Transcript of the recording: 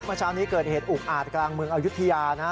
เมื่อเช้านี้เกิดเหตุอุกอาจกลางเมืองอายุทยานะฮะ